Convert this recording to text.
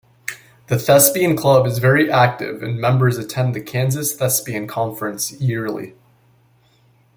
The Thespian club is very active and members attend the Kansas Thespian Conference yearly.